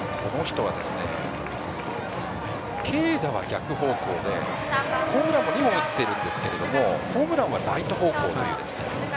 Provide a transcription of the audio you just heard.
軽打は逆方向でホームランも２本打っているんですがホームランはライト方向という。